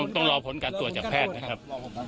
ต้องรอผลการตรวจจากแพทย์นะครับ